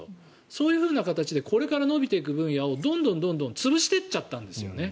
そういう形でこれから伸びていく分野をどんどん潰していっちゃったんですよね。